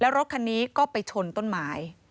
รถคันนี้ก็ไปชนต้นไม้